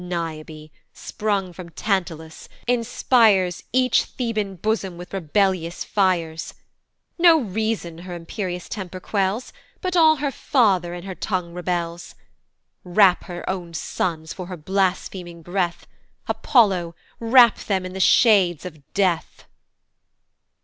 "Niobe, sprung from Tantalus, inspires "Each Theban bosom with rebellious fires; "No reason her imperious temper quells, "But all her father in her tongue rebels; "Wrap her own sons for her blaspheming breath, "Apollo! wrap them in the shades of death."